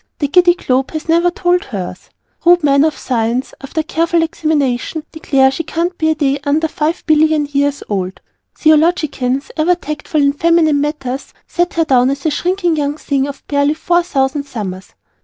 The Giddy Globe has never told us hers. Rude men of science, after careful examination, declare she can't be a day under five billion years old. Theologians, ever tactful in feminine matters, set her down as a shrinking young thing of barely four thousand summers.